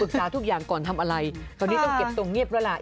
สาทุกอย่างก่อนทำอะไรตอนนี้ต้องเก็บตรงเงียบแล้วล่ะ